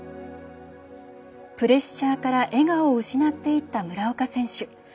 プレッシャーから笑顔を失っていった村岡選手。